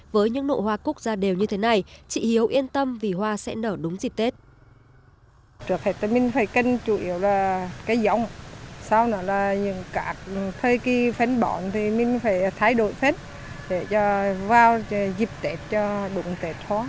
với những nụ hoa cúc ra đều như thế này chị hiếu yên tâm vì hoa sẽ nở đúng dịp tết